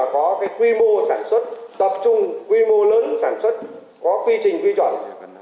có cái quy mô sản xuất tập trung quy mô lớn sản xuất có quy trình quy trọng